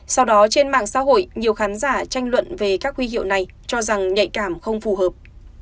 sau đó trên mạng xã hội nhiều khán giả tranh luận về các huy hiệu này cho rằng nhạy cảm không phù hợp